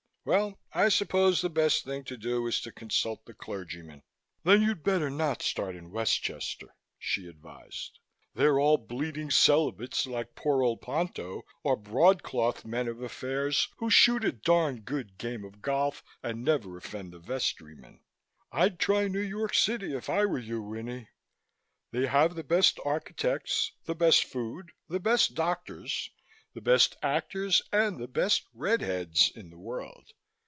Well, I suppose the best thing to do is to consult the clergymen." "Then you'd better not start in Westchester," she advised. "They're all bleating celibates like poor old Ponto or broad clothed men of affairs who shoot a darn good game of golf and never offend the vestrymen. I'd try New York City, if I were you, Winnie. They have the best architects, the best food, the best doctors, the best actors, and the best red heads in the world.